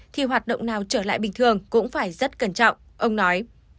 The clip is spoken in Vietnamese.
thì hoạt động nào trở lại bình thường cũng phải rất cẩn trọng ông nói